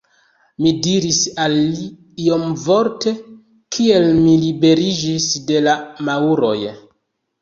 Mi diris al li iomvorte, kiel mi liberiĝis de la Maŭroj.